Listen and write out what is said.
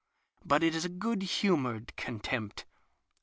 But it is good humoured contempt.